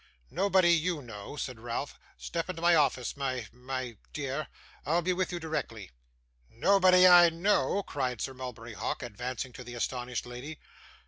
'Nobody YOU know,' said Ralph. 'Step into the office, my my dear. I'll be with you directly.' 'Nobody I know!' cried Sir Mulberry Hawk, advancing to the astonished lady.